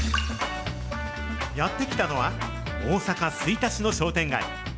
やって来たのは、大阪・吹田市の商店街。